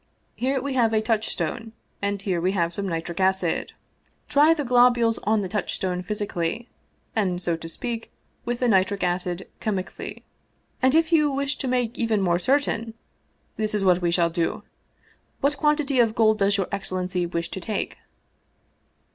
Here we have a touch stone, and here we have some nitric acid. Try the globules on the touch stone physically, and, so to speak, with the nitric acid chemically. And if you wish to make even more certain, this is what we shall do. What quantity of gold does your excellency wish to take